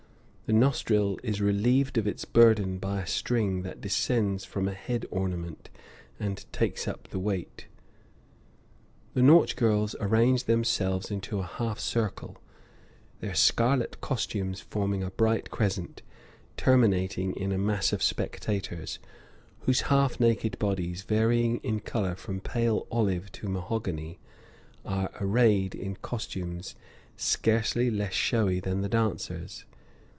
The nostril is relieved of its burden by a string that descends from a head ornament and takes up the weight. The Nautch girls arrange themselves into a half circle, their scarlet costumes forming a bright crescent, terminating in a mass of spectators, whose half naked bodies, varying in color from pale olive to mahogany, are arrayed in costumes scarcely less showy than the dancers.